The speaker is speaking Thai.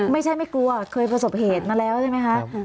ไม่กลัวเคยประสบเหตุมาแล้วใช่ไหมคะ